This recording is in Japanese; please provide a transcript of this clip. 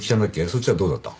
そっちはどうだった？